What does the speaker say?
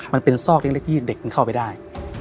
มันเป็นซอกที่เด็กเข้าไปได้